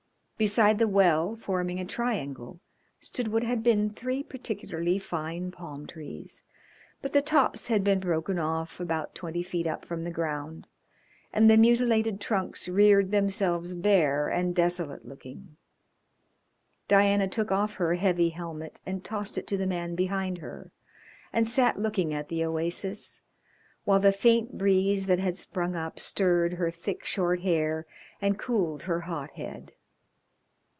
Beside the well, forming a triangle, stood what had been three particularly fine palm trees, but the tops had been broken off about twenty feet up from the ground, and the mutilated trunks reared themselves bare and desolate looking. Diana took off her heavy helmet and tossed it to the man behind her, and sat looking at the oasis, while the faint breeze that had sprung up stirred her thick, short hair, and cooled her hot head.